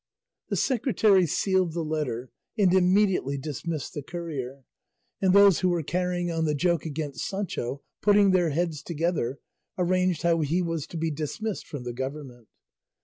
The secretary sealed the letter, and immediately dismissed the courier; and those who were carrying on the joke against Sancho putting their heads together arranged how he was to be dismissed from the government.